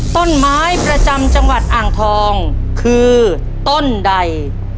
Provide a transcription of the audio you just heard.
ต้นไม้ประจำจังหวัดอ่างทองคือต้นใด